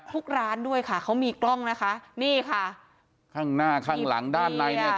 ทุกร้านด้วยค่ะเขามีกล้องนะคะนี่ค่ะข้างหน้าข้างหลังด้านในเนี่ย